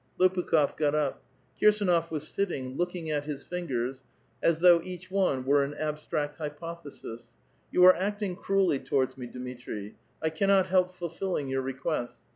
Ijopukhof got up. Kirsduof was sitting, looking at his fingers as though each one were a abstract hypothesis. '* You are acting cruelly towards me, Dmitri. I cannot help fulfilling 3'our request.